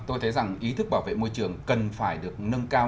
tôi thấy rằng ý thức bảo vệ môi trường cần phải được nâng cao